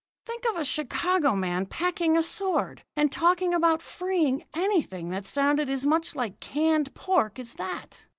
"Think of a Chicago man packing a sword, and talking about freeing anything that sounded as much like canned pork as that!